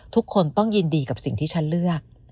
ทุกคนต้องยินดีกับสิ่งที่ฉันเลือก